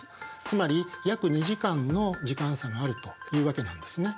つまり約２時間の時間差があるというわけなんですね。